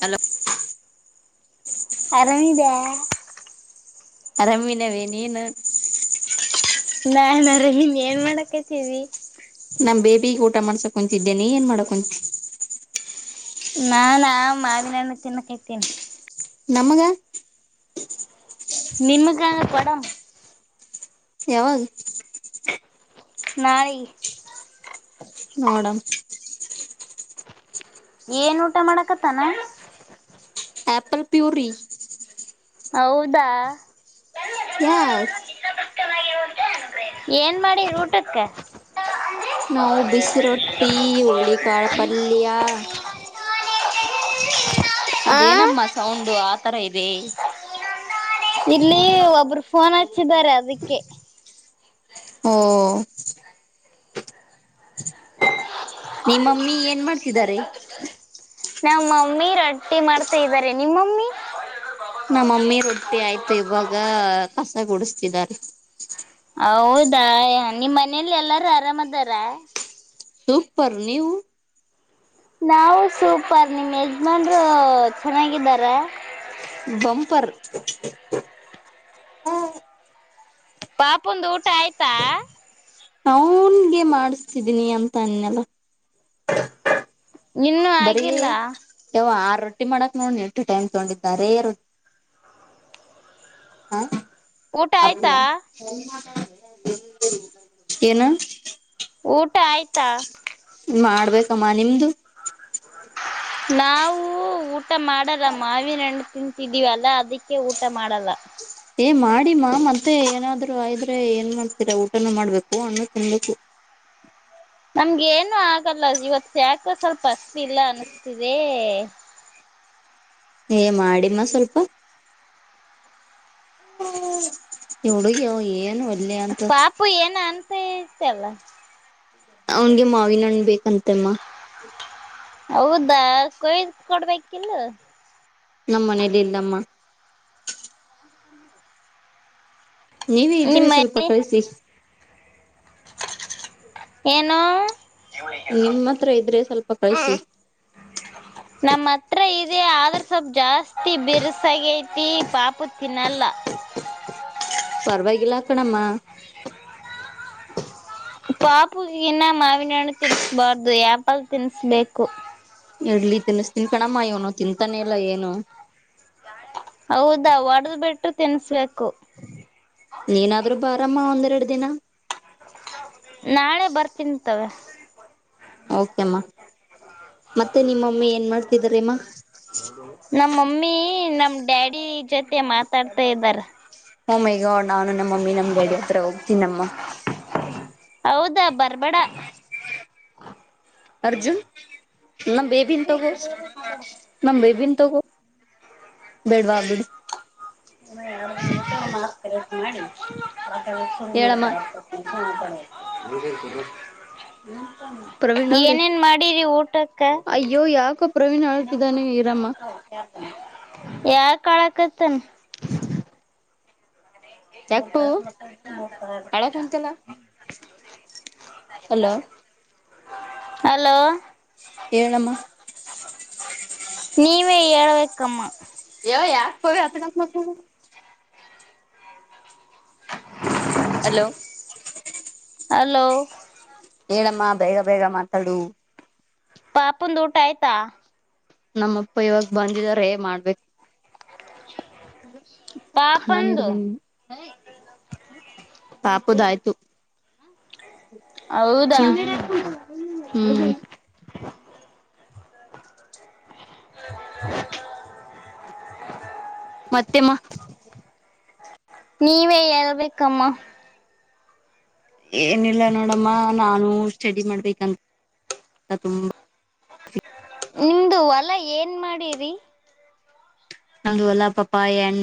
Hello ಆರಾಮಿದಾ ಅರಾಮಿನವೇ ನೀನು ನಾನ್್ರ ನಿನ್್ ಏನ್ ಮಾಡಕತೀರಿ ನಮ ಬೇಬಿಿಗೆ ಊಟ ಮಾಡ್ಸಕ್ ಕುಂತಿದ್ದೇನೆ ಏನ್ ಮಾಡಕ್ೊಂ ನಾಾನ ಮಾಡ ನಾನು ತಿನ್ನಕೈತೀನಿ ನಮಗ ನಿಮ್ಮಗಂಗ ಪಡ ಯಾವಾಗ ನಾಳೆ ನೋಡ ಏನ್ ಊಟ ಮಾಡಕತ್ತಾನ ಆಪಲ್ ಪ್ಯೂರಿ ಹೌದಾ ಯಸ್ ಏನ್ ಮಾಡಿ ಊಟಕ್ಕೆ ನಾವು ಬಿಸಿ ರೊಟ್ಟಿ ಹುಳ್ಳಿಕಾಳ ಪಲ್ಯ ಆ ಅದೇನಮ್ಮ ಸೌಂಡು ಆತರ ಇದೆ ಇಲ್ಲಿ ಒಬ್ಬರು ಫೋನ್ ಹಚ್ಚಿದ್ದಾರೆ ಅದಕ್ಕೆ ಹ ನಿಮ್ಮಮ್ಮಿ ಏನ್ ಮಾಡ್ತಿದಿದ್ದಾರೆ ನಮ್ಮಮ್ಮಿ ರೊಟ್ಟಿ ಮಾಡ್ತಾ ಇದ್ದಾರೆ ನಿಮ್ಮಮ್ಮಿ ನಮ್ಮಮ್ಮಿ ರೊಟ್ಟಿ ಆಯ್ತು ಇವಾಗ ಕಸ ಕುಡಸ್ತಿದಾರ ಹೌದಾ ನಿಮ್ಮ್ ಮನೇಲಿ ಎಲ್ಲಾರು ಆರಾಮದಾರ ಸೂಪರ್ ನೀವು ನಾವು ಸೂಪರ್ ನಿಮ್ಮ್ ಯಜಮಾನ್ರು ಚೆನ್ನಾಗಿದಾರ ಬಂಪರ್ [inaudible] ಪಾಪುಂದು ಊಟ ಆಯ್ತಾ ಅವನ್ಗೆ ಮಾಡಿಸತಿದೀನಿ ಅಂತ ಅನ್ನೆಲ್ಲ ಇನ್ನೂ ಬರೀ ಆಗಿಲ್ಲ ಯಾವ ಆರ್ ರೊಟ್ಟಿ ಮಾಡಕ್ ನೋಡ ಎಂಟು ಟೈಮ್ ತಗೊಂಡಿದ್ದಾರೆ ಹ ಊಟ ಆಯ್ತಾ ಅಪ್ಪದಾ ಏನು [inaudible] ಊಟ ಆಯ್ತಾ ಮಾಡ್ಬೇಕಮ್ಮ ನಿಮ್ದು ನಾವು ಊಟ ಮಾಡಲ್ಲ ಮಾವಿನಣಂಡು ತಿನ್ ಿದೀವಲ್ಲ ಅದಕ್ಕೆ ಊಟ ಮಾಡಲ್ಲ ಏ ಮಾಡಿಮ್ಮಾ ಮತ್ತೆ ಏನಾದ್ರು ಆದ್ರೆ ಏನ್ ಮಾಡ್ತೀರಾ ಊಟನ ಮಾಡ್ಬೇಕು ಹಣ್ಣು ತಿನ್ನಬೇಕು ನಮ್ಗೆ ಏನು ಆಗಲ್ಲ ಇವತ್ ಯಾಕೋ ಸ್ವಲ್ಪ ಹಸತಿ ಇಲ್ಲ ಅನಸ್ತಿದೆ ಏ ಮಾಡಿಮ್ಮ ಸ್ವಲ್ಪ ಇವುಡುಗಿ ಏನು [unintelligible] ಪಾಪು ಏನ ಅಂತ ಐತಲ್ಲ ಅವನಿಗೆ ಮಾವಿನಣ ಬೇಕಂತೆಮ್ಮ ಹೌದಾ ಕೊಯ್ದ ಕೊಡ್ಬೇಕಿಿಲ್ಲ ನಮ್ಮ ಮನೇಲಿ ಇಲ್ಲಮ್ಮ ನೀವೇ ಇದ್ದ್ರೆ ನಿಮ್ಮ ಸ್ವಲ್ಪ ಕಳಿಸಿ ಏನು ನಿಮ್ಮ ಹತ್ರ ಇದ್ರೆ ಸ್ವಲ್ಪ ಕಳಿಸಿ [inaudible] ಇದೇ ಆದ್ರೂ ಸ್ವಲ್ಪ ಜಾಸ್ತಿ ಬಿರ್ಸಾಗಐತಿ ಪಾಪು ತಿನ್ನಲ್ಲ ಹ್ಮ [unintelligible] [inaudible] ಪರ್ವಾಗಿಲ್ಲ ಕಣಮ್ಮ ಪಾಪುಗಿನ ಮಾವಿನಣ್ಣು ತಿನ್ಸ್ಬಾರ್ದು ಆಪಲ್ ತಿನ್ಬೇಕು ಇಡ್ಲಿ ತಿನ್ಸ್ತನ್ ಕಣಮ್ಮ ಇವನು ತಿಂತಾನೆ ಇಲ್ಲ ಏನು ಹೌದಾ ಹೊಡದ್ ಬಿಟರು ತಿನ್ಸ್ಬೇಕ ನೀನಾದ್ರೂ ಬಾರಮ್ಮ ಒಂದೆರಡು ದಿನ ನಾಳೆ ಬರ್ತಿನ್ ತಗೋ ಓಕೆಮ್ಮ ಮತ್ತೆ ನಿಮ್ಮಮ್ಮಿ ಏನ್ ಮಾಡ್ತಿದಾರಮ್ಮ ನಮ್ಮ ಮಮ್ಮಿ ನಮ ಡ್ಯಾಡಿ ಜೊತೆ ಮಾತಾಡ್ತಾ ಇದ್ದಾರ ಓ ಮೈ ಗಾಡ್ ನಾನು ನಮ್ಮ ಮಮ್ಮಿ ನಮ್ ಡ್ಯಾಡಿ ಹತ್ರ ಹೋಗ್ತೀನಮ್ಮ ಬರ್ಬಡ ಅರ್ಜುನ್ ನಮ್ಮ್ ಬೇಬಿನ್ ತಗೋ ನಮ್ಮ್ ಬೇಬಿನ್ ತಗೋ ಬೇಡ್ವಾ ಬಿಡು ಇ ಯತ ಮಾಡ್ತಾರೆ [unintelligible] ಮಾಡಿ ಆ ಶುರು ಹೇಳಮ್ಮ ಮಾಡ್ತಾರೆ [unintelligible] ಪ್ರವೀಣ್ ಅವ್ರೆ ಏನೇನ್ ಮಾಡಿರಿ ಊಟ [inaudible] ಅಯ್ಯೋ ಯಾಕೋ ಪ್ರವೀಣ್ ಆಳ್ತಿದ್ದಾನೆ ಇರಮ್ಮ ಯಾಕ ಅಳಕತ್ತನ್ ಯಾಕ ಪವು ಅಳಕ್ ಕುಂತಲ್ಲ [unintelligible] ಹಲೋ ಹಲೋ ಹೇಳಮ್ಮ [inaudible] ನೀವೇ ಹೇಳ್ಬೇಕಮ್ಮ [unintelligible] ಹಲೋ ಹಲೋ ಹೇಳಮ್ಮ ಬೇಗ ಬೇಗ ಮಾತಾಡು ಪಾಪಂದು ಊಟ ಆಯ್ತಾ ನಮ್ಮಪ್ಪ, ಇವಾಗ ಬಂದಿದಾರೆ, ಮಾಡ್ಬೇಕು? [unintelligible] ಅನನ್ಯ, ಪಾಪಂದು ಬಂದು ಇದರು. [unintelligible] [inaudible] [unintelligible] ಪಾಪುದಾಯಿತು. [inaudible] ಹೌದಾ ಬಟ್ಟೆ ಹ್ಮ್. ಮೇಲೈಕಿಬಿಡು. [unintelligible] [inaudible] [unintelligible] ಮತ್ತೆಮ್ಮ? [unintelligible] ನೀವೇ, ಎಳ್ಬೇಕಮ್ಮ! [unintelligible] ಏನಿಲ್ಲ, ನೋಡಮ್ಮ ನಾನು ಸ್ಟಡಿ ಮಾಡ್ಬೇಕಂತ ತುಂಬಾ? [unintelligible] ನಿಮ್ದು ಹೊಲ ಏನ್ ಮಾಡೀರಿ? [unintelligible] ನಮು, ಹೊಲ್ಲಾ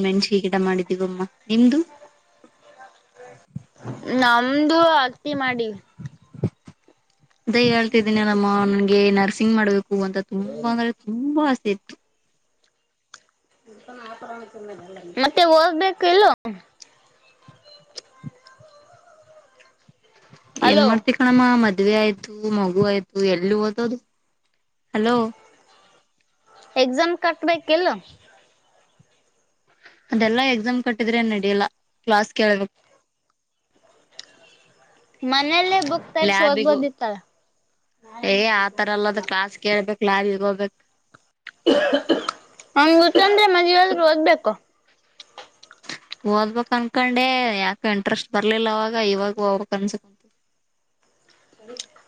ಮೆಣ್ಸಿ. ಗಿಡ ಮಾಡಿದ್ದೀವಮ್ಮ ನಿಮ್ದು? [unintelligible] ನಮ್ದು ಹತ್ತಿ ಮಾಡಿವಿ. [unintelligible] ಅ ಹೇಳ್ತಿದೀನಿ ಅಲ್ಲಮ್ಮ! ನನ್ಗೆ ನರ್ಸಿಂಗ್ ಮಾಡ್ಬೇಕು ಅಂತ ತುಂಬಾ ಅಂದ್ರೆ ತುಂಬಾ ಆಸೆ, ಇತು. [unintelligible] ಮತ್ತೆ, ಹೋಗ್ಬೇಕು ಇಲ್ಲೋ. [unintelligible] [inaudible] [unintelligible] ಏನ್, ಹಲೋ ಮಾಡ್ತಿ ಕಣಮ್ಮ ಮದು? [unintelligible] ಮದುವೆ ಆಯ್ತು, ಮಗು ಆಯ್ತು ಎಲ್ಲಿ ಓದದು ಹಲೋ. [unintelligible] ಎಕ್ಸಾಮ್, ಕಟ್ಬೇಕಾ ಇಲ್ವಾ. [unintelligible] ಅದೆಲ್ಲಾ, ಎಕ್ಸಾಮ್ ಕಟ್ಟಿದ್ರೆ! ನಡಿಯಲ್ಲ ಕ್ಲಾಸ್ ಕೇಳಬೇಕು? [unintelligible] ಮನೇಲೇ. [inaudible] ಲ್ಯಾಬಿಗು, ಹೇ ಆತರಲ್ಲದು ಕ್ಲಾಸ್ ಕೇಳ್ಬೇಕು ಲ್ಯಾಬಿಗೆ ಹೋಗು? [inaudible] [inaudible] [unintelligible] ಓದಬೇಕು? [unintelligible] ಓದ್ಬೇಕ್ ಅನ್ಕೊಂಡೆ ಯಾಕ ಇಂಟ್ರೆಸ್ಟ್ ಬರ್ಲಿಲ್ಲ ಅವಾಗ ಇವಾಗ ಓದ್ಬೇಕ್ ಅನ್ಸುತ್ತೆ? [inaudible] [inaudible] [unintelligible]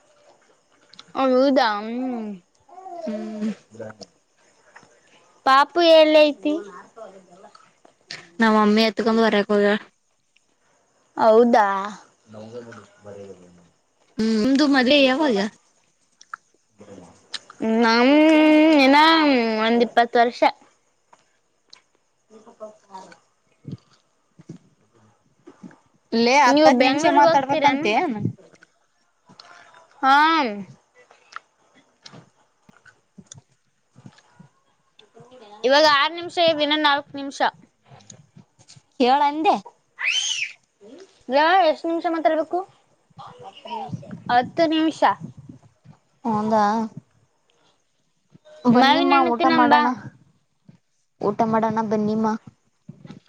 ಹೌದಾ, ಹ್ಮ. ಹ್ಮ್ [unintelligible] ಪಾಪು, ಎಲ್ಲಿ ಐತಿ? [unintelligible] ನಮ್ಮ, ಮಮ್ಮಿ ಎತ್ಕೊಂದು ಬಾರಾಕಿ, ಹೋಗುವಾಲೇ? [unintelligible] ಹೌದಾ, ನಮ್ಗೆ ಮಾಡು, ಬರೋಕೆ. [unintelligible] ಹ್ಮ್ಮ್, ನಿಮ್ದು ಮದುವೆ ಯಾವಾಗ? [unintelligible] ಹ್ಮ್ಮ್, ನಮ್, ಇನ್ನ, ಒಂದ್ ಇಪ್ಪತ್ತು ವರ್ಷ. [unintelligible] [unintelligible] [inaudible] ಲೇ ನೀವು, ಹತ್ತತ್ ನಿಮಿಷ ಬೆಂಗಳೂರು, ಹೋಗ್ತೀರ? ಮಾತಾಡ್ಬೇಕಂತೇನ್ [unintelligible] ಹಾ. [unintelligible] ಇವಾಗ, ಆರ್ ನಿಮಿಷ ದಿನ ನಾಲ್ಕ್ ನಿಮಿಷ. [unintelligible] ಹೇಳಂಗೆ. [inaudible] ಲೋ, ಎಷ್ಟು ನಿಮಿಷ ಮಾತಾಡ್ಬೇಕು? [unintelligible] ಹತ್ತು ನಿಮಿಷ. ಹೌದಾ [unintelligible] ಮಾವಿನ ಬನ್ನಿಮ್ಮ ಹಣ್ಣು ಊಟ ತಿನ್ನಂಬ ಮಾಡೋಣ! ಊಟ ಮಾಡೋಣ ಬನ್ನಿಮ್ಮ. [unintelligible]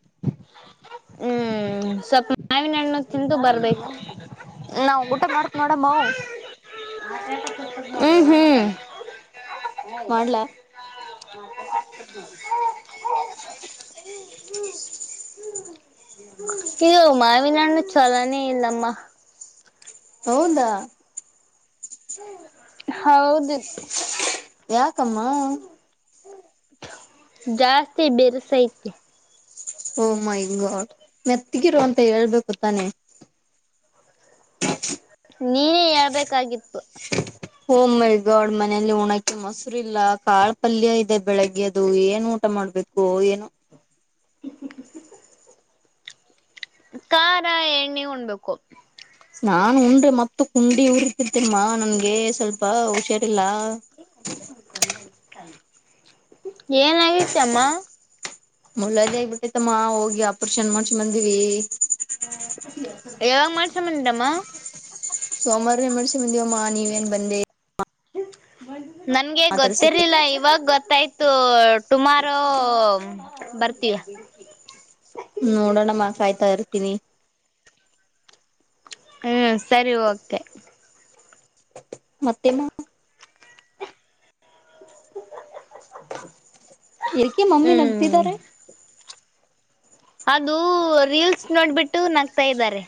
ಹ್ಮ್, ಸ್ವಲ್ಪ ಮಾವಿನಣ್ಣು, ತಿಂದು ಬರ್ಬೇಕು! [unintelligible] ನಾವು, ಊಟ ಮಾಡ್ತು ನೋಡ ಅಮೋ? [unintelligible] ಹ್ಮ್, ಹ್ಮ್. [unintelligible] ಮಾಡ್ಲಾ [unintelligible] [inaudible] ಇದು, ಮಾವಿನ ಹಣ್ಣು ಚಲೋನೆ, ಇಲ್ಲಮ್ಮ? [unintelligible] ಹೌದಾ. [unintelligible] ಹೌದು. [unintelligible] ಯಾಕಮ್ಮ! [unintelligible] ಜಾಸ್ತಿ, ಬೆರಿ ಸೈಟ್ದು. [unintelligible] ಓ, ಮೈ ಗಾಡ್ ಮೆತ್ತಗಿರು ಅಂತ ಹೇಳ್ಬೇಕು ತಾನೆ? [unintelligible] ನೀನೇ, ಹೇಳ್ಬೇಕಾಗಿತ್ತು! [unintelligible] ಓ ಮೈ ಗಾಡ್ ಮನಲಿ ಉಣಕ್ಕೆ ಮೊಸರ್ ಇಲ್ಲ ಕಾಳ್ ಪಲ್ಯ ಇದೆ ಬೆಳಗ್ಗೆ ಅದು ಏನ್ ಉಣ್ಣದು ಊಟ ಮಾಡ್ಬೇಕು ಏನು ಖಾರ ಎಣ್ಣೆ ಉಣ್ಬೇಕು ನಾನ್ ಉಂಡ್ರೆ ಮತ್ತು ಕುಂಡಿ ಉರಿಟ್ಟಿದ್ದೇಮ್ಮಾ ನನ್ಗೆ ಸ್ವಲ್ಪ ಹುಷಾರಿಲ್ಲಾ ಹಾ ಏನಾಗಿತಮ್ಮ ಮೂಲವ್ಯಾಧಿ ಆಗ್ಬಿಟ್ಟೈತಮ್ಮ ಹೋಗಿ ಆಪರೇಷನ್ ಮಾಡ್ಸ ಬಂದಿವಿ ಯಾವಾಗ ಮಾಡ್ಸ ಬಂದಡಮ್ಮ ಸೋಮವಾರ ಮನಸಿಗೆ ನೆಮ್ಮದಿಯಮ್ಮ ನೀವೇಏನ್ ಬಂದೆ ಉಕ್ ಬಾ ನೀನು ನನ್ಗೆ ಮಾತಾಡ್ಸಿಕ್ಕೆ ಗೊತ್ತಿರ್ಲಿಲ್ಲ ಇವಾಗ ಗೊತ್ತಾಯ್ತು ಟುಮಾರೋ ಬರ್ತೀಯಾ ನೋಡೋಣಮ್ಮ ಕಾಯ್ತಾ ಇರ್ತೀನಿ ಹುಂ ಸರಿ ಓಕೆ ಮತ್ತೆಮ್ಮ ಉಕಾ ಹ್ಹ ಹ್ಹಾ ಹ್ಹಾ ಕಾನ್ ಎಲ್ಕ ಮಮ್ಮಿ ನಂಗತಿದ್ದಾರೆ ಅದು ರೀಲ್ಸ್ ನೋಡ್ಬಿಟ್ಟು ನಗ್ತಾ ಇದಾರೆ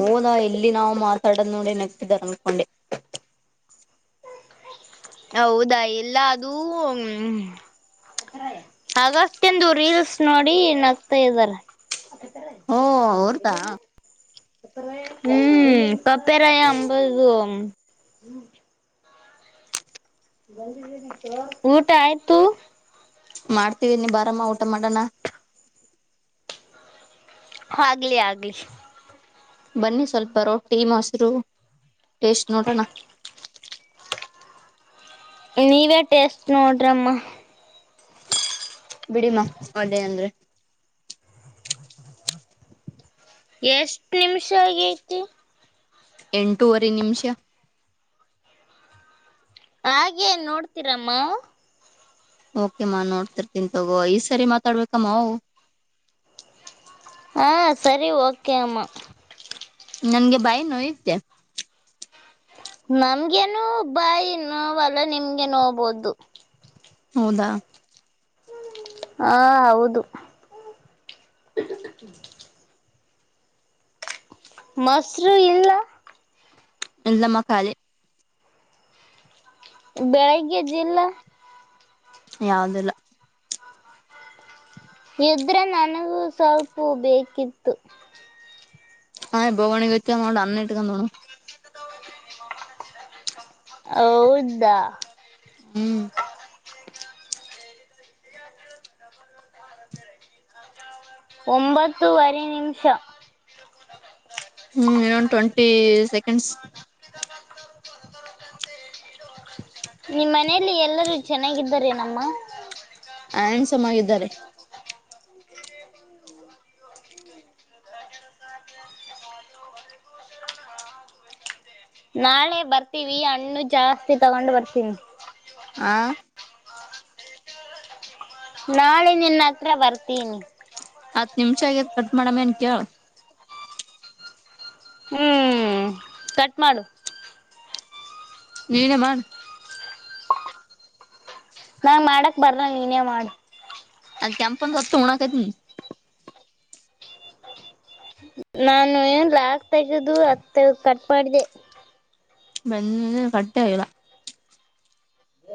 ಹೌದಾ ಎಲ್ಲಿ ನಾವು ಮಾತಾಡೋದ್ ನೋಡಿ ನಗ್ತಿದಾರ ಅನ್ಕೊಂಡೆ ಹೌದಾ ಇಲ್ಲ ಅದು ಹುಂ ಆ ವಯ್ತ್ನಂದಿನ ರೀಲ್ಸ್ ನೋಡಿ ನಗ್ತಾ ಇದ್ದಾರೆ ಹೂ ಅವರದಾ ಹುಂ ಕಪ್ಪೆರಾಯ ಅಂಬಾದು ಊಟ ಆಯಿತು ಮಾಡತೀನಿ ಬಾರಮ್ಮ ಊಟ ಮಾಡೋಣ ಆಗ್ಲಿ ಆಗ್ಲಿ ಬನ್ನಿ ಸ್ವಲ್ಪ ರೊಟ್ಟಿ ಮೊಸರು ಟೇಸ್ಟ್ ನೋಡೋಣ ನೀವೇ ಟೇಸ್ಟ್ ನೋಡ್ರಮ್ಮ ಬಿಡಿಮ್ಮ ಒಂದೇ ಅಂದ್ರೆ ಎಷ್ಟ್ ನಿಮಿಷ ಆಗಿ ಐತಿ ಎಂಟೂವರೆ ನಿಮಿಷ ಹಾಗೆ ನೋಡ್ತೀರಮ್ಮ ಓಕೆಮ್ಮ ನೋಡ್ತೀರ್ತಿನಿ ತಗೋ ಈ್ ಸರಿ ಮಾತಾಡ್ಬೇಕಮ್ಮವು ಹ ಸರಿ ಓಕೆ ಅಮ್ಮ ನನ್ಗೆ ಬಾಯಿ ನೋಯುತ್ತೆ ನಮ್ಗೆನು ಬಾಯಿ ನೋವಲ್ಲ ನಿಮ್ಗೆ ನೋಬೋದು ಹೌದಾ ಹಾ ಹೌದು ಮೊಸರು ಇಲ್ಲ ಇಲ್ಲಮ್ಮಖಾಲಿ ಬೆಳಿಗ್ಗೆ ಜಿಲ್ಲಾ ಯಾವ್ದಲ್ಲ ಇದ್ರೆ ನನಗೂ ಸ್ವಲ್ಪು ಬೇಕಿತ್ತು ಹಾಯ್ ಬೋಘನ್ಯಾಗ ಹಾಕೆನಿ ನೋಡು ಅನ್ನ ಇಟಗಂಡ್ ಉಣು ಹೌದಾ ಹ್ಮ್ ಒಂಬತ್ತೂವರೆ ನಿಮಿಷ ಹ್ಮ್ ಇನ್ನೊಂದ್ ಟ್ವೆಂಟಿ ಸೆಕೆಂಡ್ಸ್ ನಿಮ್ಮ ಮನೇಯಲ್ಲಿ ಎಲ್ಲರೂ ಚೆನ್ನಾಗಿದ್ದಾರೆ ನಮ್ಮ ಹ್ಯಾಂಡ್ಸಮಾಗಿದರೆ ನಾಳೆ ಬರ್ತೀವಿ ಹಣ್ಣು ಜಾಸ್ತಿ ತಗೊಂಡ್ ಬರ್ತೀನಿ ಹಾ ನಾಳೆ ನಿನ್ನ ಹತ್ರ ಬರ್ತೀನಿ ಹತ್ತು ನಿಮಿಷ ಆಗತೆ ಕಟ್ ಮಾಡಮ್ ಏನ್ ಕೇಳ ಹ್ಮ್ ಕಟ್ ಮಾಡು ನೀನೆ ಮಾಡ ನಾ ಮಾಡಕ್ ಬರಲ್ ನೀನೇ ಮಾಡು ಆ ಕೆಂಪುದ್ ಹೊತ್ತು ಮುಣಗತೈತಿ ನಾನು ಏನ್ ಲಾಸ್ಟ್ ಪೇಜ್ ಅದು ಹತ್ ಕಟ್ ಮಾಡಿದೆ ಮನ್ನ ಕಟ್ಟ ಆ ಇಲ್ಲ ಹ